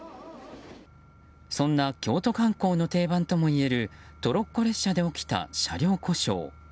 そんな京都観光の定番ともいえるトロッコ列車で起きた車両故障。